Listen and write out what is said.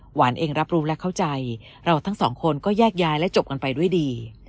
หวานเองรับรู้และเข้าใจเราทั้งสองคนก็แยกย้ายและจบกันไปด้วยดี